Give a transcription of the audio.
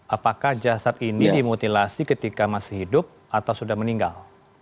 apakah jasad ini dimutilasi ketika masih hidup atau sudah meninggal